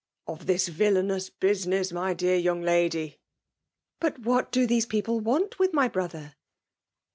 Of this villainous business, my dear young lady." " But what do these people want with my brother?"